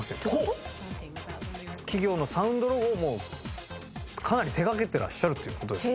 企業のサウンドロゴもかなり手掛けてらっしゃるという事です。